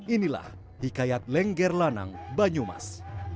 inilah hikayat lengger lanang banyumas